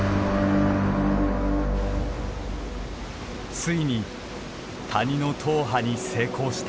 ついに谷の踏破に成功した。